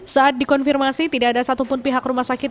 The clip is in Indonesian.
saat dikonfirmasi tidak ada satupun pihak rumah sakit